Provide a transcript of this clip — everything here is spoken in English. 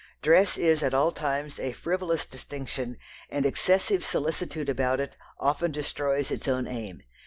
Dress is at all times a frivolous distinction, and excessive solicitude about it often destroys its own aim.